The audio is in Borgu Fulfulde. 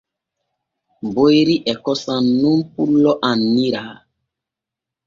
Boyri e kosam nun pullo anniara.